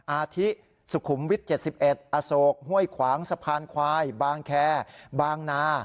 อาทิสุขุมวิทย์๗๑อโศกห้วยขวางสะพานควายบางแคบางนา